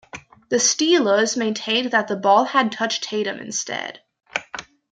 The Steelers maintained that the ball had touched Tatum instead.